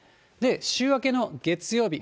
週明けの月曜日、